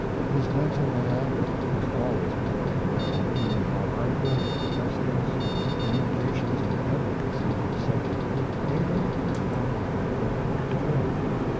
His mental Niagara was always pouring away, turning out articles, essays, communications on every conceivable subject, mainly with the idea of reform.